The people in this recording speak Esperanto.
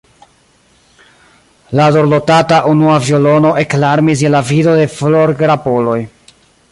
La dorlotata unua violono eklarmis je la vido de florgrapoloj.